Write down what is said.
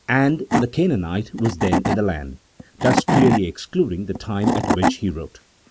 VIII* "and the Canaanite was then in the land," thus clearly ex cluding the time at which he wrote.